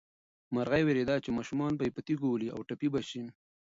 مرغۍ وېرېده چې ماشومان به یې په تیږو وولي او ټپي به شي.